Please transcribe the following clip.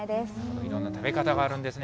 いろんな食べ方があるんですね。